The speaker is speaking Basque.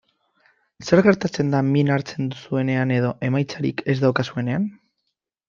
Zer gertatzen da min hartzen duzunean edo emaitzarik ez daukazunean?